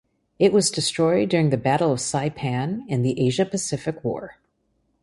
It was destroyed during the Battle of Saipan in the Asia–Pacific War.